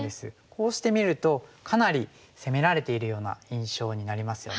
こうしてみるとかなり攻められているような印象になりますよね。